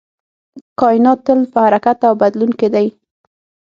کائنات تل په حرکت او بدلون کې دی.